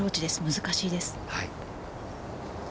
難しいです。